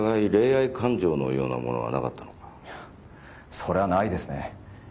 それはないですね。